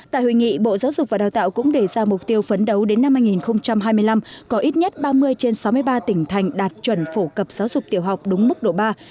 tại hội nghị bộ giáo dục và đào tạo cũng đề ra mục tiêu phấn đấu đến năm hai nghìn hai mươi năm có ít nhất ba mươi trên sáu mươi ba tỉnh thành đạt chuẩn phổ cập giáo dục tiểu học đúng mức độ ba